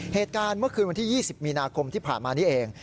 เหตุการณ์เมื่อคืนวันที่๒๐มีนาคมที่ผ่านมานี้เอง